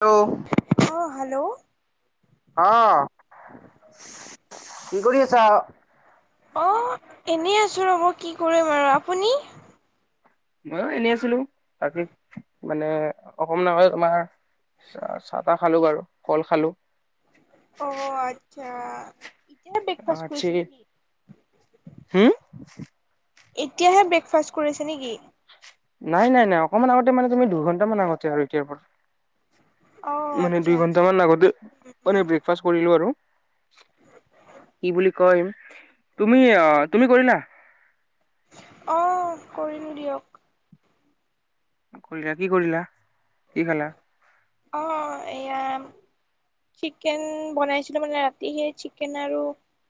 অ অ হেল্ল'। আহ কি কৰি আছা? অ এনেই আছো ৰ'ব কি কৰিম আৰু। আপুনি? মইয়ো এনে আছিলো। বাকি মানে অকমান আগতে আমাৰ চা চাহ তাহ খালো বাৰু কল খালো। অ আচ্ছা। এতিয়াহে আ ব্ৰেকফাষ্ট চি, কৰিছে নেকি? হম? এতিয়াহে ব্ৰেকফাষ্ট কৰিছে নেকি? নাই নাই নাই অকণমান আগতে মানে তুমি দুঘন্টা মান আগতে আৰু এতিয়াৰ পৰা। অঁ মানে আচ্ছা দুই আচ্ছা। ঘন্টামান আগতে মানে ব্ৰেকফাষ্ট কৰিলো আৰু। কি বুলি কয়ম তুমি আহ তুমি কৰিলা? অঁ কৰিলো দিয়ক। কৰিলা কি কৰিলা কি খালা? অঁ এয়া চিকেন বনাইছিলো মানে ৰাতি সেই চিকেন আৰু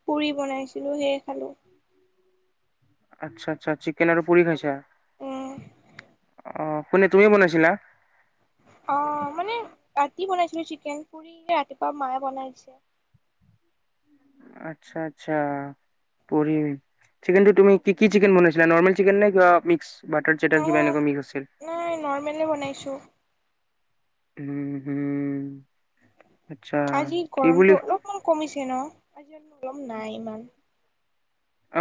পুৰি বনাইছিলো সেয়ে খালো। আচ্ছা আচ্ছা চিকেন আৰু পুৰি খাইছা। অঁ কোনে তুমি বনাইছিলা? অ মানে ৰাতি বনাইছিলো চিকেন পুৰি, ৰাতিপুৱা মায়ে বনাদিছে। আচ্ছা আচ্ছা। পুৰি। চিকেনটো তুমি কি কি চিকেন বনাইছিলা নৰ্মেল চিকেন নে কিবা মিক্স? বাটাৰ চাটাৰ কিবা অঁ এনেকুৱা মিক্স আছিল? নাই নৰ্মেলে বনাইছোঁ। উম হম। আজি গৰমতটো অলপমান কমিছে ন? আজি গৰম নাই ইমান।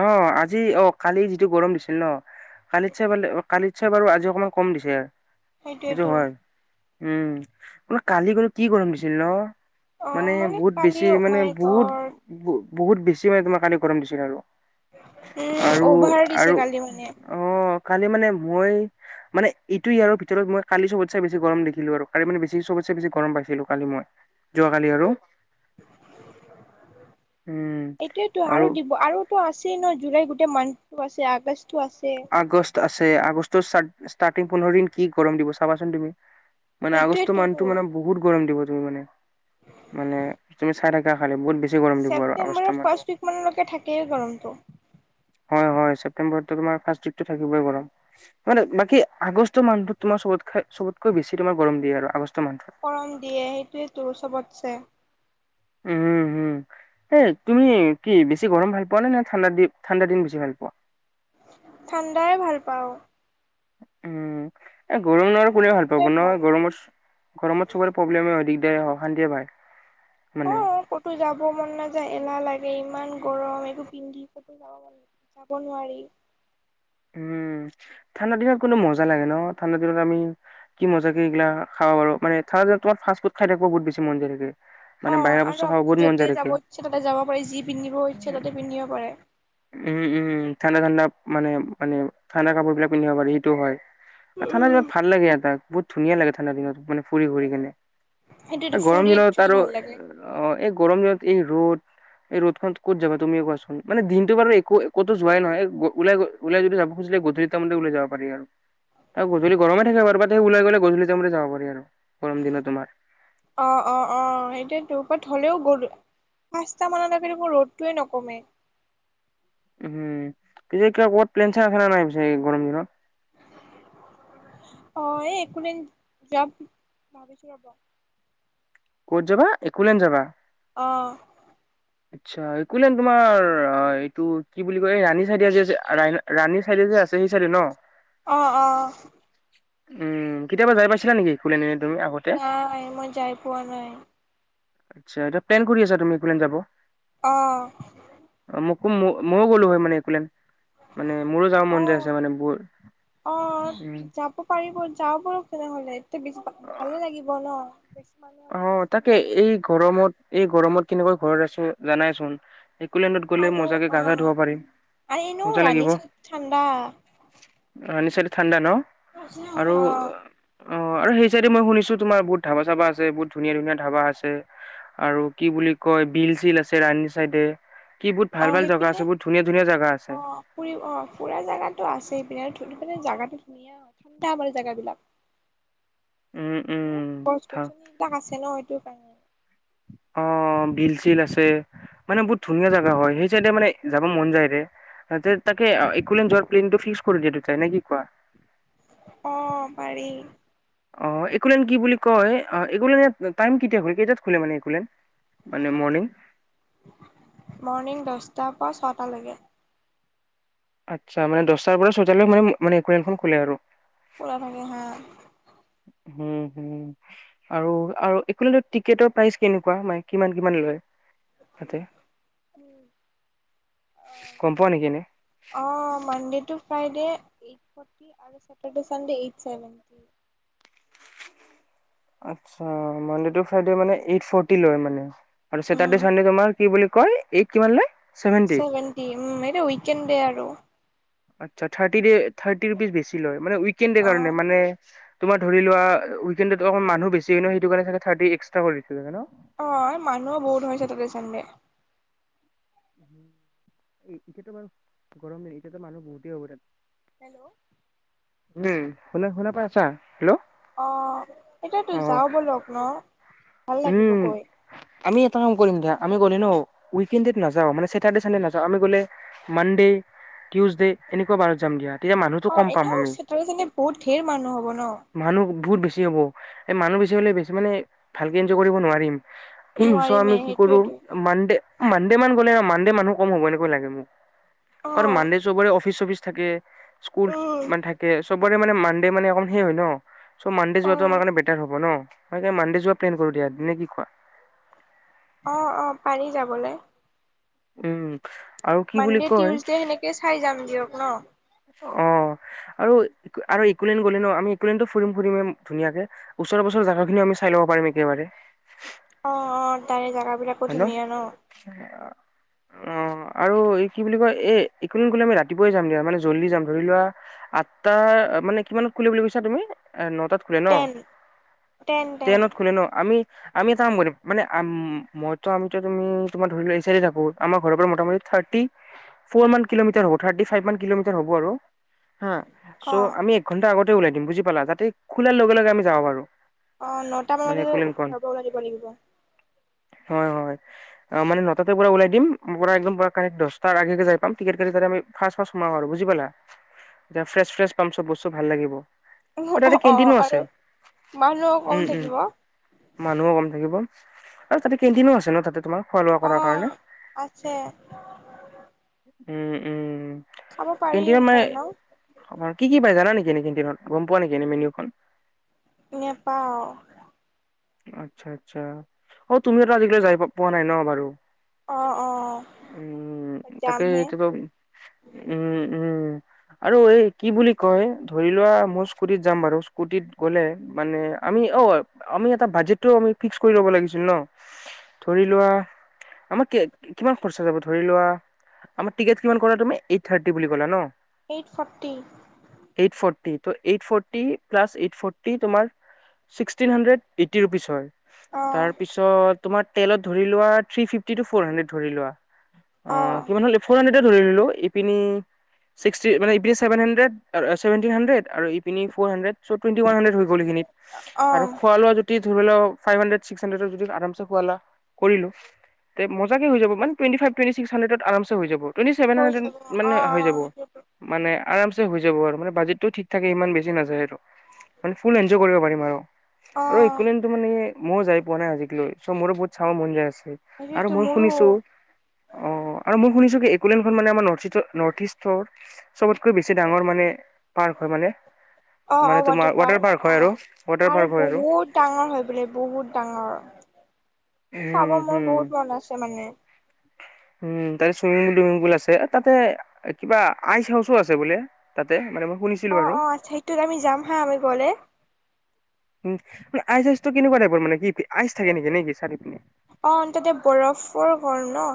অঁ আজি অ কালি যিটো গৰম দিছিল ন' কালি চাই কালি চাই বাৰু আজি অকমান কম দিছে। এইটো সেইটোৱেতো। হয় উম বোলো কালি গলো কি গৰম পছিল ন? অ মানে বহুত কালি বেছি মানে মাই বহুত গড বহুত বেছি মানে তোমাৰ কালি গৰম দিছিল আৰু। উম আৰু অভাৰ দিছে আৰু কালি মানে অঁ কালি মানে মই মানে এইটোয়ে আৰু ভিতৰত মই কালি চবত ছে বেছি গৰম দেখিলো আৰু কালি মানে বেছি চবত ছে বেছি বছি গৰম পাই ছিলো কালি মই, যোৱাকালি আৰু। উম এইটোয়েইতো আৰু দিব আৰু টো আছেই ন' জুলাই গোটেই মন্থটো আছে আগষ্টতো আছে। আগষ্ট আছে আগষ্টৰ ষ্টাৰ্টিং পোন্ধৰ দিন কি গৰম দিব চাবাচোন তুমি। মানে আগষ্ট সেইটোয়েতো মান্থটো মানে বহুত গৰম দিব। তুমি মানে, মানে তুমি চাই থাকা খালি বহুত বে। ছেপ্টেম্বৰৰ ফাৰ্ষ্ট উইকমানলৈকে থাকেই গৰমটো। হয় হয় ছেপ্তেম্বৰতটো তোমাৰ ফাৰ্ষ্ট উইকটো থাকিবই গৰম। মানে বাকী আগষ্ট মান্থটোত তোমাৰ চবতকৈ। চবতকৈ বেছি তোমাৰ গৰম দিয় আৰু আগষ্ট। মাহটোত। কাৰণ দিয়ে সেইটোৱে তোৰ চবতছে। উ উম হুম। এ তুমি কি বেছি গৰম ভাল পোৱা নে নে ঠাণ্ডা ঠাণ্ডা দিন বেছি ভাল পোৱা। ঠাণ্ডাই ভাল পাওঁ। উম। গৰম নোৱাৰ ঠাণ্ডা কোনে ভাল দিনটোৱে পাব নহয় গৰমৰ গৰমৰ চবৰে প্ৰব্লেম অধিক। দে অ সান দিয়ে ভাই। অ ক'তো যাব মন নাযায় এলাহ লাগে। ে ইমান গৰম একটো পিন্ধি কতো যাব যাব নোৱাৰি উম ঠাণ্ডা দিনত কোনো মজা লাগে ন ঠাণ্ডা দিনত আমি কি মজা কে এইিলা খাব বাৰু মানে তোাৰ ফাষ্ট ফুড খাই থাকিব বহুত বেছ মনায় থাকে। অ মানে বাহিৰা বস্তু আৰু খাব আপুনি বহুত মন যতে যায় থাকে। যাব ইচ্ছে ততে যাব পাৰে যি পিন্ধিব ইচ্ছে ততে পিন্ধিব পাৰে। উম উম উম ঠাণ্ডা ঠাণ্ডা মানে মানে ঠাণ্ডা কাপোৰ বিিলাক পিন্ধিব পাৰি সেইটো হয়। আৰু ঠাণ্ডা দিলাত ভাল লাগে এটা বহুত ধুনীয়া লাগে ঠাণ্ডা দিনত মানে ফুৰি ফুৰি কেনে। সেইটোৱেতো গৰম ফুৰি দিনত একচুৱেলি আৰু ভাল লাগে। এই গৰম দিনত এই ৰ'দ। এই ৰ'দ খ ক'ত যাবা তুমি কোৱাচোন মানে দিনটো বাৰু একো কতো যোৱাই নহয় ওলাই। ওলাই যদি যাব খুজে গধলিৰ তাৰ মে ওাই যাব পি আৰু। আৰু গধূলি গৰমে থাকে বাৰু বা সেই ওলাই গ'লে গধূলি তাম যাব পাৰি আৰু গৰম দিনত তোমাৰ। অ অ অ এতিয়া পৰত হলেও গৰু। পাঁচট মানৰ আগে মোৰ ৰ'দটোৱে নকমে। উম পিছে ক ক'ত প্লেন চ খা নাই পিছে গৰম দিনত। অ এই একোদিন যাম ভাবিছো ৰব। ক'ত যাবা একোুলন যাবা। অ। আচ্ছা কলেন তোমাৰ এইটো কি বুলি কয় এই ৰাণী চাইডে যে আছে ৰা ৰাণী চাইডে যে আছে। সেই চাইডে ন অঁ অঁ। উম কেতিয়াবা যাই পাইছিলা নেকি খোন। নাই মই যাই পোৱা নাই। আচ্ছা এতিয়া প্লেন কৰি আছা তুমি একো যাব। অহ। খু ময়ো গ'লো হয়ানে একোলেন। মানে মোৰো যাব মন যায় আছে অ', মানে বৰ উ। চাওঁ পো তেনেহ'লে এয়া বেছি ভালে লাগিব ন। বেছি মানুহ অ হ'লে বেছি তাকে ভাল লাগে এই গৰমত এই গৰমত কেনেকৈ ঘৰত আছো জানাইচোন। একোলেণ্ডত গ'লে আৰু মজাকে গা গা ধুব অ', পাৰিম আৰু এনেও মজা ৰাণী লাগিব। চাইদ ঠাণ্ডা ৰানি চাইড ঠাণ্ডা ন আৰু অ', অ আৰু সেই চাইড মই শুনিছো। তোৰ বহু ধাবা চাবাছে। আছে বহুত ধুনীয়া ধুনীয়া ধাবা আছে আৰু কি বুলি কয় বিল চিল আছে ৰানি চাইডে। কি বহুত অ ভাল ভাল জেগা সেইপিনে আছে বহুত ধুনীয়া ধুনীয়া জেগা আছে অ ফুৰি অ ফুৰা জোগাতো আছে সেইপিনে। দি পাননে জেগাটো ধুনীয়া ঠাণ্ডা মান জেগাবিলাক। উম উম বহুত গছ থা গছনিবিলাক আছে ন সেইটো কাৰণে। অ বিল চিল আছে। মানে বহুত ধুনীয়া জেগা হয় সেই চাইডে মানে যাব মন যায়ৰে। তাকে এক যোৱাৰ প্লেটো ফিক্স কৰি দ চাই ন কি কোৱা। অ পাৰি। অ একোলেন কি বুলি কয় এই টাইম কেতিয়া খলে কেইটাত খোলে মানে একুলেন। মৰ্ণিং দছটাৰ পৰা ছটালৈকে আচ্ছা মানে দছটাৰ পৰা ছটালে মানে মানে একনখন খোলে আৰু পলা ভাগে হ [unintelligible] হোম উম আৰু আৰু ইফালে যোৱা টিকটৰ প্ৰাইচ কেনেকুৱা মানে কিমান কিমান লয় তাতে গম পোৱা নেকি এনেই। অ মানডেটো ফ্ৰাইদে এইট ফটি আৰু চটাৰডে চানডে এই চেভেনটি আচ্ছা মনডে টু ফ্ৰাইদে‌ মানে এইট ফটি লৈ মানে আৰু চেটাৰডে উম, চানডে তোমাৰ কি বুলি কয় এইক কিমান লয়? ছেভেণ্টি। চেভেনটি উম এইটো উকেণ্ডে আৰু আচছা থাৰ্টিডে থাৰ্টি ৰুপিছ বেছি লয় মানে উইকেন ডে অ'। কাৰণে মানে তোমাৰ ধৰি লোৱা উইকেন ডেত অকণমান মানুহ বেছি হয় ন সেইটো কাৰণে চাগে থাৰ্টি এক্সটাৰা কৰি দিলে ন অ মানুহ বহুত হৈছে তাতে চানডে। এই ইতিয়াতো বাৰু গৰম দিন ইতিয়াতো মানুহ বহতেই হব তাত। হেল্ল'। উম শুনা শুনাৰ পৰা আছা হেল্ল'। অ এতিয়া তো অ যাও বল'ক না উম আমি এটা কাম কৰিম। আমি গ'লে ন উইকেন ডেত নাযাওঁ মানে চেটাৰডে চানডে নাযাও আমি গলে মানডে টিউচডে এনেকুৱা বাৰত যাম দিয়া তেতিয়া মানুহতটো অ কম পাম এনেও আমি চেটাৰডে চানডে বহুত ধেৰ মানুহ হ'ব ন মানুহ বহুত বেছি হ'ব। এই মানুহ বেছি হ'লে বেছি মানে ভালকেএনজয় কৰিব নোৱাৰিম। চ আমি নোৱাৰিমে কি কৰো সেইটোৱেতো মানডে মানডে মান গ'লে মানডে মানুহ কম হ'ব এনেকৈ লাগে মোক কাৰণ মানডে অ চবৰে অফিচ চফিচ থাকে। স্কুল উম মান থাকে চবৰে মানে মানডে মানে অকন সেই হয় ন চ' মানডে অ যোৱাটো আমাৰ কাৰণে বেটাৰ হ'ব ন মই মানডে যোৱা প্লেন কৰো দিয়া নে কি কোৱা? অহ অহ‌ পাৰি যাবলৈ। উম আৰু কি বুলি মানডে কয় টিউচডে সেনেকে চাই যাম দিয়ক ন। অ আৰু আৰু ইকলেইন গলে ন আমি ইকলেন টো ফুৰিম ফুৰিমে ধুনীয়াকে ওচৰে পুচৰে জেগা খিনিও লব পাৰিম একেবাৰে অ অ তাৰে জাগা বিলাকো ধুনীয়া ন। [inaudible] অ আৰু এই কি বুলি কয় এই ইকুৱেলেনড গলে আমি ৰাতিপুৱাই যাম দিয় মানে জল্দি যাম ধৰি লোৱা আঠটা মানে কিমান খোলে বুলি ভাবিছা তুমি। খোলে ন টেন টেন টেন টেনত খোলে ন আমি আমি এটা কাম কৰিম মানে মইতো আহোতে তুমি তোমাৰ ধৰি ল থাকো আমাৰ ঘৰৰ পৰা মোটামুতি থাৰ্টি ফ'ৰ মান কিলোমিটাৰ হ' থাৰ্টি ফাইভ কিলোমিটাৰ হ'ব আৰু হা অ চ' আমি এক ঘন্টা আগতে ওলাই দিম বুজি পালা যাতে খোলাৰ লগে লগে আমি যাওঁ পাৰো অ নটা মানে মানতে কন ঘৰৰ কন পৰা ওলাই দিব লাগিব হয় হয় মানে নততে পৰা ওলাই বুজি পোৱা নাই যে ফ্ৰেছ ফ্ৰেছ পাম চব বস্তু ভাল লাগিব অ তাতে অ কেণ্টিনো আছে। আৰু মানুহো কম উম উম থাকিব মানুহো কম থাকিব আৰু তাতে কি কেণ্টিনো আছে ন তাতে তোমাৰ খোৱা লোৱা কৰাৰ আহ কাৰণে আছে। উম উম খাব পাৰিম কেণ্টিনত মানে পাৰ ন আ কি কি পায় জানা নেকি নেকি দিনত গম পোৱা নেকি এনেই মেনেউখন নেপাও আচ্ছা আচ্ছা অ তুমিওতো আজিকালি যাই পোৱা নাই ন বাৰু অ অ উম যামহে তাকেটো উম উম আৰু এই কি বুলি কয় ধৰি লোৱা মোৰ স্কুটিত যাম বাৰু স্কুটিত গ'লে মানে আমি অ আমি বাজেটটো ফিক্স কৰি লব লাগিছিল ন, ধৰি আগতে আমাৰ কিমান খৰচা যাব ধৰি লোৱা আমাৰ টিকেট কিমান কৰা তুমি এইট থাৰ্টি বুলি ক'লা ন। Eight forty. এইট ফৰ্টি ত' eight forty plus eight forty তোমাৰ ছিক্সটিন হাণড্ৰেড এইটি ৰুপিজ হয়। [unintelligible] অ', তাৰপিছত তোমাৰ তেলত ধৰি লোৱা থ্ৰী ফিভটি ফৰ হাণড্ৰেড ধৰি লোৱা। [unintelligible] অ কি হলে ফ'ৰ হাড্ৰেড ধৰিলো ইপিনে ক্সিটি মানে চেভেন হাণ্ডেট [unintelligible] ছেভেন হাণ্ড্ৰেড আৰু ফৰ হাণ্ড্ৰেদ [unintelligible] চ টুৱটি ৱান হানড্ৰে হৈ গ'লিনিত আৰু অ', খোৱা লোৱা [unintelligible] ফাইভ হাড্ৰেড ছিক্স হাড্ৰে যদি আম খা কৰিলো [unintelligible] তে মজাকে হৈ যাবানে twenty five twenty six hundred আৰামছে হৈ যাব টুৱেণ্টি চছেভেন হৈ হাড্ৰেড যাব অ', মানে অ', হৈ যাব সেইটোৱেতো মানে আৰামছে হৈ যাব আৰু মানে বাজেটটো ঠিক। থাকে ইমান বেছি নাযায় আৰু মানে ফুল এনজয় কৰিব পাৰিম আৰু আৰু অ', মেনেউ মানে ময়ো যাই পোৱা নাই আজিলৈ কে মোৰো বহুত চাব মন যায় আছে আৰু সেইটোৱেতো মই মোৰো শুনিছো অ আৰু মই শুনিছো কি ককোলেণ্ডখন মানে আমাৰ নৰ্থ ইষ্ট নৰ্থ ইষ্টৰ [unintelligible] চবতকৈ বেছি ডাঙৰ মানে পাৰ্ক হয় মানে অ', মানে অ', তোমাৰ ৱাটাৰ পাৰ্ক হয় আৰু অ', ৱাটাৰ পাৰ্ক হয় আৰু ডাঙৰ হয় বোলে বহুত ডাঙৰ চাব উম মোৰ হুম বহুত মন আছে মানে। উম তাতে চুইমিং পুল চুইমিং পুল আছে তাতে কিবা আইচ হাউচো আছে বোলে তাতে মানে। শুনিছিলো অ আৰু অ আচ সেইটোত আমি যাম হা আমি গলে ম আইচ আইচটো কেনেকুৱাইৰ মানে কি [unintelligible] নেকি নেকি চাৰিপিনে অ তাতে বৰফৰ ঘৰ ন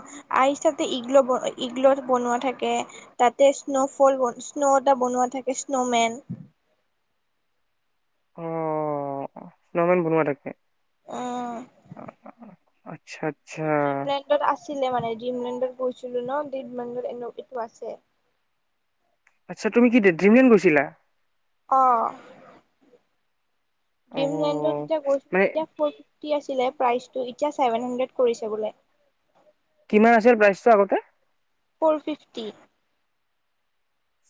আইচা ইগ ইগ বনোৱা থাকে তাতে স্ন' ফলন স্ন' এটা বনোৱা থাকে স্ন উমেন অ স্নমে বনোৱা তাকে জিমলেণ্ডত আছিলে মানে জিমলেণ্ডত [unintelligible] গৈছিলো ন দত মডৰ এনে এইটো আছে [unintelligible] আচ্ছা তুমি কি ড্ৰিমলেন গৈছিলা [unintelligible] আহ অ ড্ৰিমলেণ্ডত যেতিয়া গৈছিলো মানে তেতিয়া ফৰ ফিফটি আছিলে। প্ৰাইচটো এতিয়া ছেভেন হাণ্ড্ৰেড কৰিছে বোলে কিমান আছিল প্ৰাইচটো আগতে ফ'ৰ ফিফটি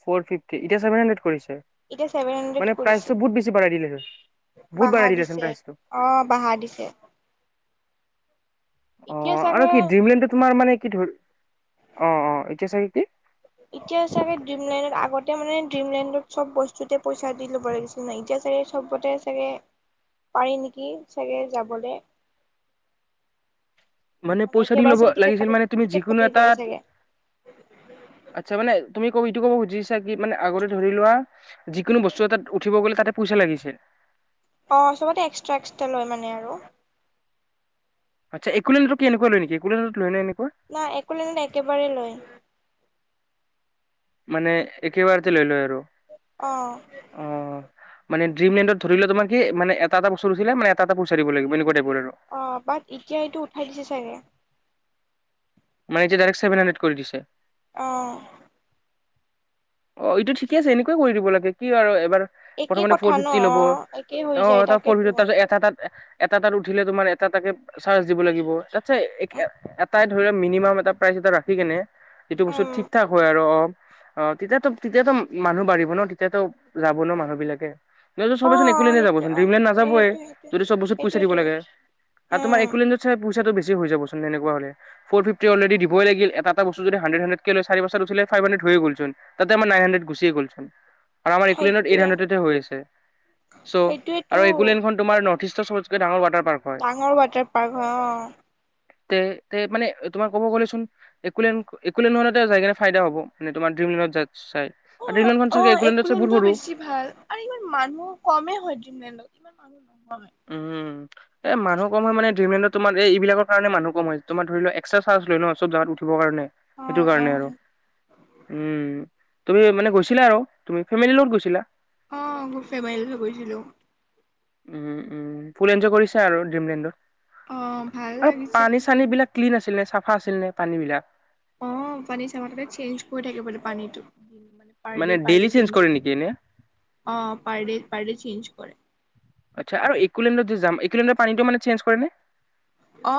ফৰ ফিভটি এতিয়া [unintelligible] মানে এতিয়া ছেভেন হাণ্ড্ৰেড কৰিছে প্ৰাইজটো বহুত বেছি বঢ়াই দিলে বহুত বাহা বঢ়াই দিলেচোন দিছে প্ৰাইচটো আহ বাহা দিছে অ এতিয়া আৰু চাগে কি ড্ৰিমলেণ্ড তোমাৰ মানে কি ধৰি অ অ এতিয়া চাগে কি? [unintelligible] [inaudible] এতিয়া চাগে ড্ৰিম লাইনত আগতে মানে ড্ৰিম লাইনত চব বস্তুতে পইচা দি ল'ব লাগিছিল নাই এতিয়াাগে চব। আপতে চাগে পাৰি নেকি চাগে যাবলৈ। মানে পইচা দি একেবাৰে ল'ব চাগে টিকেট লাগিছিল কাটি মানে তুমি টিকেট যিকোনো কাটি এটা লয় চাগে আচ্ছা মানে তুমি ৌ ইটো ক'ব খুজিছা কি মানেগতে ধৰি লোৱা যিকোনো বস্তু এ তাত উঠিব গ'লে তাতে পইচা লাগিছিল [unintelligible] অ সবতে এক্সট্ৰা এক্সট্ৰা লয় মানে আৰু আচ্ছা একোলেন্দ্ৰত কেনেকুৱা লয় নেকি একুলেণ্ডত লয় নে [unintelligible] না একোলেণ্ডট একেবাৰেই লয় [unintelligible] মানে একেবাৰতে লৈ লয় আৰু আহ। ট্ৰি মেণ্ডত ধৰিলে তোমা কি মানে এটা এটা বস্তু উঠিলে এটাটে পইচা দিব লাগিব এনেকুৱা টাইপ অ বাট এতিয়া এইটো উঠাই দিছে চাগে মানে এতিয়া ডাইৰেক্টেভন হাণ্ড্ৰেড কৰি দিছে। আহ। অ, এইটো ঠিকে আছে, এনেকুৱা কৰি দিব লাগে। কি আৰু এবাৰ একেই প্ৰথমতে কথা ফৰ ন ফিফটি অ ল'ব, একেই হৈ অ, যায় এটা ফৰ তাকেতো ফিফটি তাৰপিছত এটা তাত এটা তাত উঠিলে তোমাৰ এটা-এটাকে চাৰ্জ দিব লাগিব, তাতে ধৰি লোৱা, মিনিমাম এটা প্ৰাইজ এটা ৰাখি কেনে, যিটো বস্তু উম ঠিক-ঠাক হয় আৰু, অ অ, তেতিয়াতো-তেতিয়াতো মানুহ বাঢ়িব ন, তেতিয়াতো যাব ন মানুহ বিলাকে নহ'লে অ চবেইচোন এক'লেণ্ডত নে সেইটো যাবচোন, অ ড্ৰিমলেন্ড নাজাবয় সেইটো সেইটো যদি চব বস্তুত পইচা দিব সেইটোয়েতো লাগে। আৰু তোমাৰ উম এক'লেণ্ডত চাগে পইচাটো বেছি হৈ যাবচোন, তেনেকুৱা হ'লে। ফৰ ফ্ৰিফটি অলৰেডি দিবই লাগিল, এটা-এটা বস্তু যদি হান্ড্ৰেড হান্ড্ৰেড কে লৈ, চাৰি বছৰ উঠিলে ফাইভ হান্ড্ৰেড হৈ গ'ল চোন। ফাইভ হ্ৰানড্ৰেট গুছিয়ে গ'ল ছোন। আৰু আমাৰ ইকুলেইনত এইট সেইটোয়ে হ্ৰানড্ৰেট হৈ আছে, চ' সেইটোয়েতো আৰু ইকুলেইনখন তোমাৰ ন [unintelligible] বৈশিষ্ট চবকে ডাঙৰ ৱাটাৰ [unintelligible] ডাঙৰ ৱাটাৰ পাৰ্ক হয়, অ তে তে মানে তোমাৰ কব গ'লে চোন একোলেণ্ড- একোলেণ্ড ন এতিয়া যায় কিনে ফাইদা হব, মানে তোমাৰ ড্ৰিম লনত য অ-অ, একোলেণ্ডত সৰু। বেছি ভাল আৰু ইমান মানুহ কমেই হয় ড্ৰিমলেণ্ডত। কিমান মানুহ নহয় উম এ মানুহ কম হয় মানে ড্ৰিমলেণ্ডত তোমাৰ এই ইবিলাকৰ কাৰণে মানুহ কম হয়, তোমাৰ ধৰি লোৱা এক্সট্ৰা চাৰ্জ লৈ ন, চব জেগাত উঠিব কাৰণে অ সেইটো অ কাৰণে আৰু, উম, তুমি মানে গৈছিলা আৰু তুমি ফেমেলি লগত গৈছিলা? অ মোৰ ফেমিলিলৈ গৈছিলো উম-উম, ফুল এনজয় কৰিছে আৰু অ ড্ৰিমলেণ্ডত ভাল আৰু লাগিছে পানী-চানী বিলাক ক্লিন আছিল নে, চাফা আছিল নে পানী বিলাক? অ, পানী চাবাটোতে চেঞ্জ কৰি থাকে বোলে পানীটো। মানে মানে ডেইলি পাৰদে-পাৰদে চেঞ্জ কৰে, নেকি এনে? অ, পাৰদে-পাৰদে চেঞ্জ কৰে। আচ্ছা আৰু এক'লেণ্ডত যাম, এক'লেণ্ডৰ পানীটো মানে চেঞ্জ কৰে নে? অ